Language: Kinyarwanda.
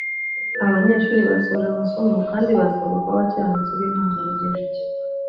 Aba banyeshuri basoje amasomo kandi basabwe kuba abakiranutsi b’intangarugero